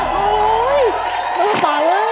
ตายเลยบุญเลย